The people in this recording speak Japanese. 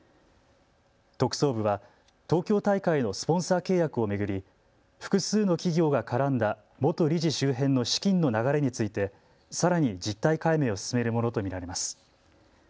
特捜部は東京大会のスポンサー契約を巡り複数の企業が絡んだ元理事周辺の資金の流れについてさらに実態解明を進めるものと見られます。